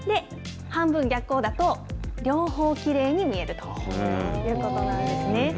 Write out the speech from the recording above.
半分逆光だと、両方きれいに見えるということなんですね。